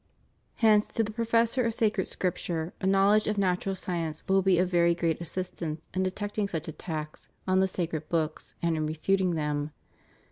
Hence, to the professor of sacred 294 THE STUDY OF HOLY SCRIPTURE. Scripture a knowledge of natural science will be of very great assistance in detecting such attacks on the sacred books, and in refuting them.